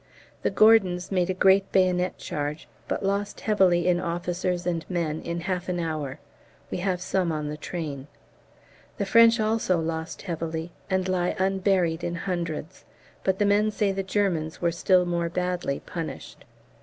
The Gordons made a great bayonet charge, but lost heavily in officers and men in half an hour; we have some on the train. The French also lost heavily, and lie unburied in hundreds; but the men say the Germans were still more badly "punished."